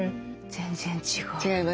全然違う。